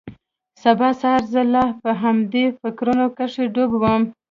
سبا سهار زه لا په همدې فکرونو کښې ډوب وم.